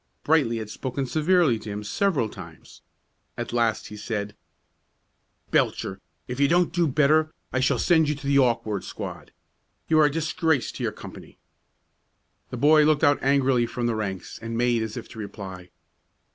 Brightly had spoken severely to him several times. At last he said, "Belcher, if you don't do better, I shall send you to the awkward squad. You are a disgrace to your company." The boy looked out angrily from the ranks, and made as if to reply.